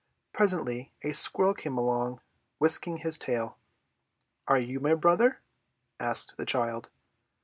Presently a squirrel came along, whisking his tail. "Are you my brother?" asked the child.